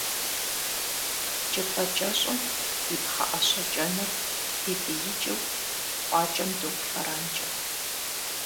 Кӏытӏэ кӏэщӏым и пхъэӏэщэ кӏэныр тепӏиикӏыу къуакӏэм доуфэранкӏэ.